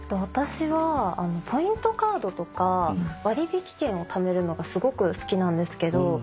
私はポイントカードとか割引券をためるのがすごく好きなんですけど。